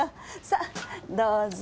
さあどうぞ。